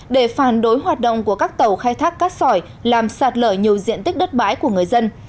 để phản đối hoạt động của các tàu khai thác cát sỏi làm sạt lở nhiều diện tích đất bãi của người dân